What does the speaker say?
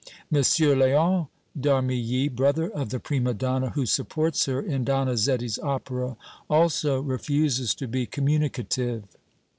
M. Léon d' Armilly, brother of the prima donna, who supports her in Donizetti's opera, also refuses to be communicative.